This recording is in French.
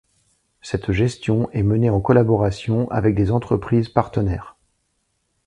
Cette gestion est menée en collaboration avec des entreprises partenaires.